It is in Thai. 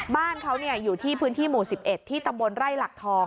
บ้านเขาอยู่ที่พื้นที่หมู่๑๑ที่ตำบลไร่หลักทอง